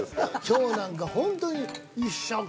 今日なんかホントに。